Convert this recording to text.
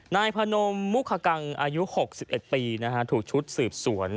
นายพนมมุคกังอายุ๖๑ปีถูกชุดสืบสวน